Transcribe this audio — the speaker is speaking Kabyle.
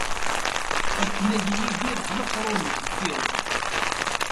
Akken ad yidir d leqrun deffir-k.